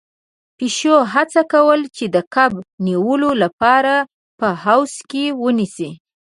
پيشو هڅه کوله چې د کب نيولو لپاره په حوض کې ونيسي.